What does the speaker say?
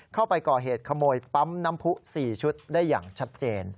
เข้าไปก่อเหตุขโมยปั๊มน้ำผู้๔ชุดได้อย่างชัดเจน